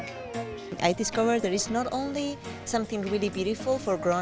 saya menemui bahwa tidak hanya ada sesuatu yang sangat indah untuk orang tua